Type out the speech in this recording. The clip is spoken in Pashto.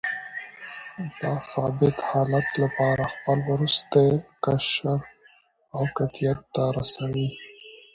د ثابت حالت لپاره خپل وروستی قشر اوکتیت ته رسوي.